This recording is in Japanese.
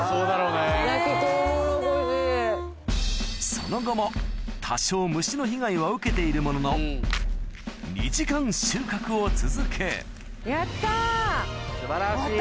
その後も多少虫の被害は受けているものの２時間収穫を続け素晴らしい。